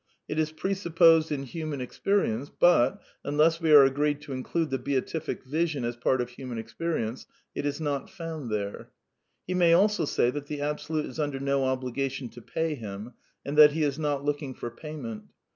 It is presupposed in human experience, but — unless we are agreed to include the Beatific Vision as part of human experience — it is not found there. He may also say that the Absolute is under no obligation to pay him, and that he is not looking for payment.